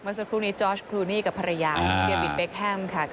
เมื่อสักครู่นี้จอร์ชคลูนี่กับภรรยาเฮลบินเบคแฮมค่ะ